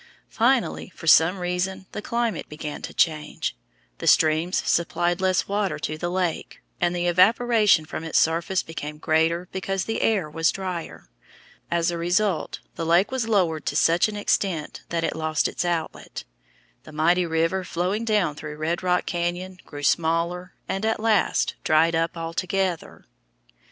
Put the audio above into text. Finally, for some reason the climate began to change, the streams supplied less water to the lake, and the evaporation from its surface became greater because the air was drier. As a result the lake was lowered to such an extent that it lost its outlet. The mighty river flowing down through Red Rock Cañon grew smaller and at last dried up altogether.